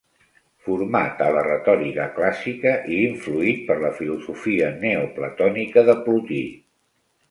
Format a la retòrica clàssica i influït per la filosofia neoplatònica de Plotí.